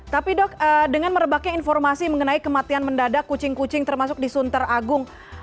tapi dok dengan merebaknya informasi mengenai kematian mendadak kucing kucing termasuk di sunter agung